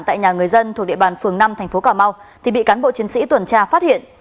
tại nhà người dân thuộc địa bàn phường năm thành phố cà mau thì bị cán bộ chiến sĩ tuần tra phát hiện